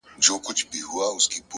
علم د ژوند معنا ژوروي.!